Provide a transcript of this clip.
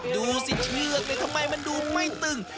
ดูสิเชือกทำไมมันดูไม่ตึง